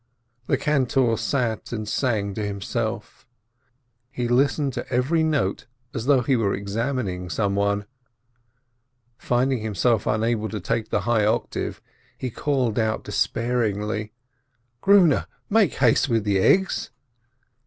The cantor sat and sang to himself. He listened to every note as though he were examining some one. Finding himself unable to take the high octave, he called out despairingly: "Grune, make haste with the eggs